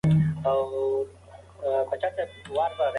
لښتې په خپل زړه کې د انارګل لپاره دعا وکړه.